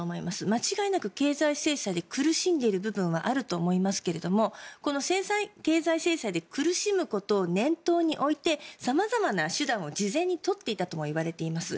間違いなく経済制裁で苦しんでいる部分はあると思いますけども経済制裁で苦しむことを念頭に置いて様々な手段を事前に取っていたともいわれています。